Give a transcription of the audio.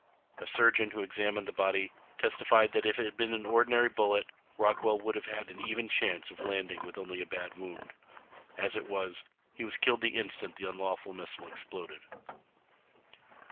A surgeon who examined the body, testified that if it had been an ordinary bullet Rockwell would have had an even chance of landing with only a bad wound. As it was he was killed the instant the unlawful missile exploded.